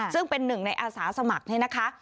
ซึ่งเป็นหนึ่งในอาสาสมัครนี่นะคะ